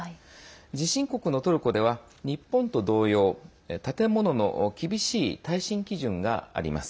地震国のトルコでは、日本と同様建物の厳しい耐震基準があります。